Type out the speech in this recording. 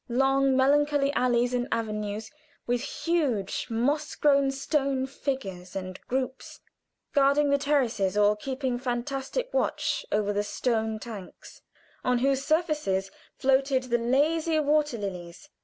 Long, melancholy alleys and avenues, with huge, moss grown stone figures and groups guarding the terraces or keeping fantastic watch over the stone tanks, on whose surfaces floated the lazy water lilies.